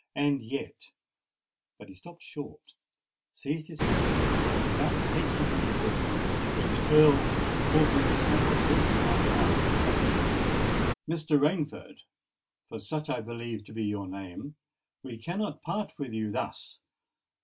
"And yet——" But he stopped short, seized his hat, and was about to hasten from the room, when the Earl caught him somewhat rudely by the arm, saying,—"Mr. Rainford—for such I believe to be your name—we cannot part with you thus!